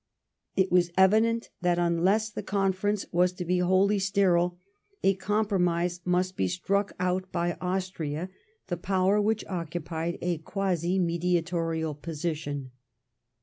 It was evident that, unless the Conference was to be wholly sterile, a compromise must be struck out by Austria, the Power ^hich occupied a quasi mediatorial position.